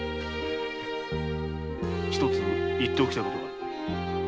一つ言っておきたいことがある。